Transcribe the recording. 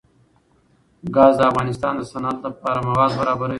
ګاز د افغانستان د صنعت لپاره مواد برابروي.